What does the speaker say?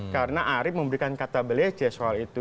karena arief memberikan kata belice soal itu